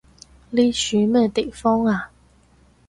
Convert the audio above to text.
呢樹咩地方啊？